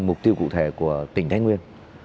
mục tiêu cụ thể của tỉnh thái nguyên